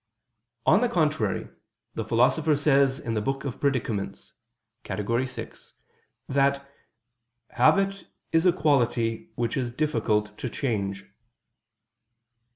On the contrary, The Philosopher says in the Book of Predicaments (Categor. vi) that "habit is a quality which is difficult to change."